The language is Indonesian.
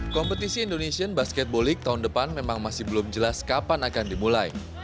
kompetisi indonesian basketball leagu tahun depan memang masih belum jelas kapan akan dimulai